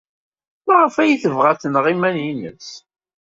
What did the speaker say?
Maɣef ay tebɣa ad tneɣ iman-nnes?